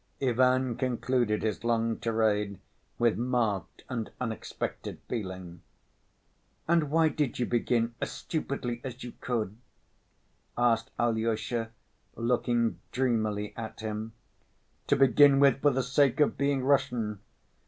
Ivan concluded his long tirade with marked and unexpected feeling. "And why did you begin 'as stupidly as you could'?" asked Alyosha, looking dreamily at him. "To begin with, for the sake of being Russian.